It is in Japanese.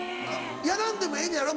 やらんでもええねやろ？